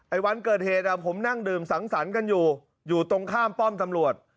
วันเกิดเหตุผมนั่งดื่มสังสรรค์กันอยู่อยู่ตรงข้ามป้อมตำรวจ